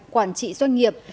quản trị doanh nghiệp